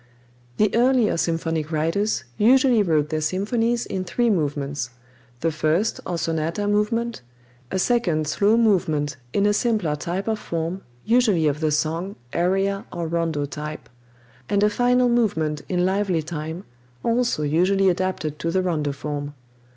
The earlier symphonic writers usually wrote their symphonies in three movements: the first or sonata movement; a second slow movement in a simpler type of form, usually of the song, aria, or rondo type; and a final movement in lively time, also usually adapted to the rondo form.